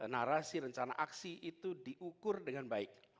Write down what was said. narasi rencana aksi itu diukur dengan baik